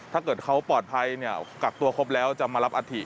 ถ้าเกิดเขาปลอดภัยเนี่ยกักตัวครบแล้วจะมารับอาถิ